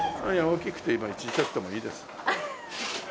大きくても小さくてもいいです。